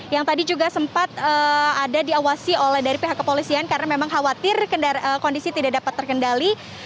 yang tadi juga sempat ada diawasi oleh dari pihak kepolisian karena memang khawatir kondisi tidak dapat terkendali